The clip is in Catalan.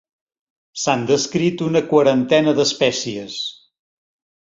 S'han descrit una quarantena d'espècies.